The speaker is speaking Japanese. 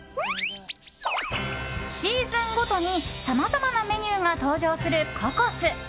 シーズンごとに、さまざまなメニューが登場するココス。